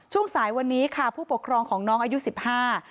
สายวันนี้ค่ะผู้ปกครองของน้องอายุสิบห้า